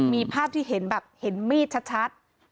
มีภาพที่เห็นแบบเห็นมีดชัด